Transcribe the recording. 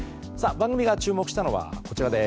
番組が注目したのはこちら。